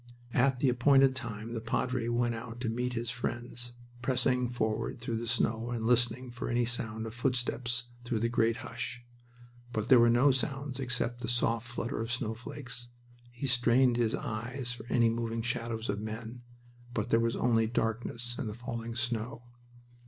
At the appointed time the padre went out to meet his friends, pressing forward through the snow and listening for any sound of footsteps through the great hush. But there was no sound except the soft flutter of snowflakes. He strained his eyes for any moving shadows of men. But there was only darkness and the falling snow.